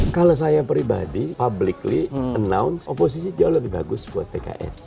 kalau saya pribadi publicy announce oposisi jauh lebih bagus buat pks